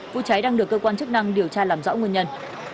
vụ cháy đang được cơ quan chức năng điều tra làm rõ nguyên nhân